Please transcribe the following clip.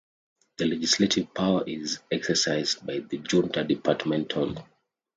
The legislative power is exercised by the Junta Departamental.